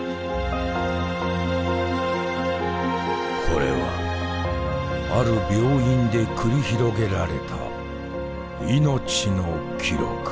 これはある病院で繰り広げられた命の記録。